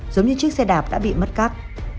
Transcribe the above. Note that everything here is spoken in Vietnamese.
giống như chiếc xe đạp đã bị mất cắt